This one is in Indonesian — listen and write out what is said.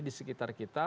di sekitar kita